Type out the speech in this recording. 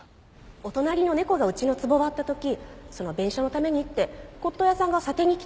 お隣の猫がうちの壺割った時その弁償のためにって骨董屋さんが査定に来たんです。